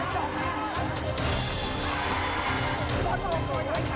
สวัสดีครับ